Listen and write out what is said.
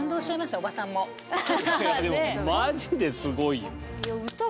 いやでもまじですごいよ。